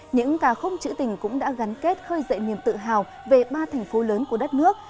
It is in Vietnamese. những ca khúc trữ tình cũng đã gắn kết khơi dậy niềm tự hào về ba thành phố lớn của đất nước